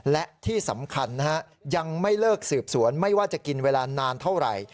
และที่สำคัญนะฮะยังไม่เลิกสืบสวนไม่ว่าจะกินเวลานานเท่าไหร่